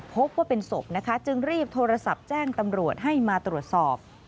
พบว่าเป็นศพนะคะจึงรีบโทรศัพท์แจ้งตำรวจให้มาตรวจสอบ